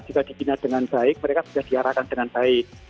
jika dibina dengan baik mereka sudah diarahkan dengan baik